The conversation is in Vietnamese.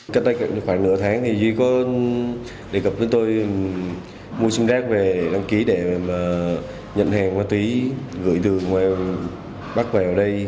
cách đây khoảng nửa tháng thì duy có đề cập với tôi mua sim rác về đăng ký để mà nhận hàng ma túy gửi từ bắc về ở đây